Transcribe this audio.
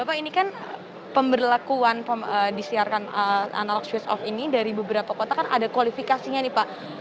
bapak ini kan pemberlakuan disiarkan analog switch off ini dari beberapa kota kan ada kualifikasinya nih pak